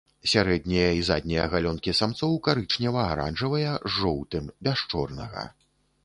Сярэднія і заднія галёнкі самцоў карычнева-аранжавыя з жоўтым, без чорнага.